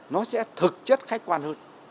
nó sẽ thực chất khách quan hơn